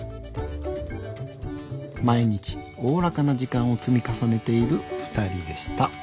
毎日おおらかな時間を積み重ねているふたりでした。